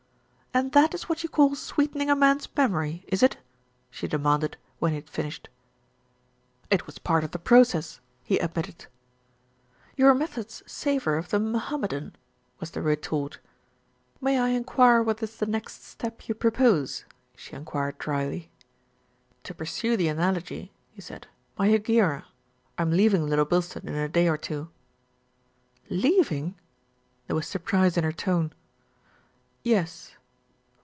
313 "And that is what you call sweetening a man's mem ory, is it?" she demanded, when he had finished. "It was part of the process," he admitted. "Your methods savour of the Mohammedan," was the retort. "May I enquire what is the next step you propose?" she enquired drily. "To pursue the analogy," he said, "my Hegira. I am leaving Little Bilstead in a day or two." "Leaving!" There was surprise in her tone. "Yes."